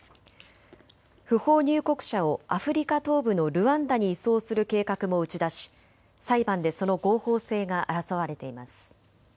不法入国者をアフリカ東部のルワンダに移送する計画も打ち出し裁判でその合法性が争われています。